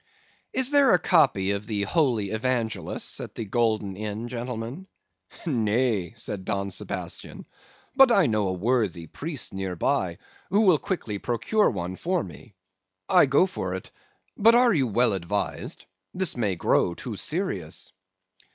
"'Is there a copy of the Holy Evangelists in the Golden Inn, gentlemen?' "'Nay,' said Don Sebastian; 'but I know a worthy priest near by, who will quickly procure one for me. I go for it; but are you well advised? this may grow too serious.